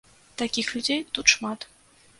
Такіх людзей тут шмат.